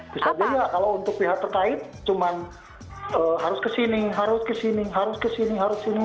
tapi ya kalau untuk pihak terkait cuma harus ke sini harus ke sini harus ke sini harus ke sini